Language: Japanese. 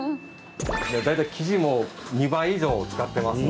大体生地も２倍以上使ってますので。